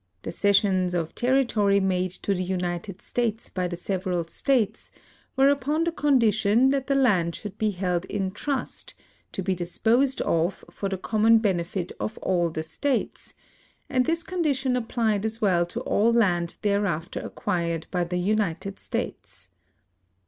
The cessions of territory made to the United States by the several states were upon the condition that the land should be 50 THE UTILIZATJON OF THE VACANT PUBLIC LANDS held in trust, to be disposed of for the common benefit of all the states, and this condition applied as well to all land thereafter acquired by the United States.